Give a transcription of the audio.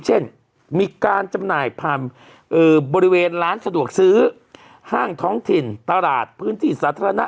เช่นมีการจำหน่ายผ่านบริเวณร้านสะดวกซื้อห้างท้องถิ่นตลาดพื้นที่สาธารณะ